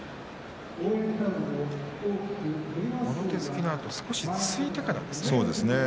もろ手突きのあと少し、ついたかですね。